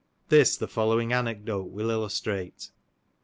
This the following anecdote will illustrate.